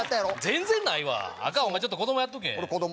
全然ないわアカンお前ちょっと子供やっとけ俺子供？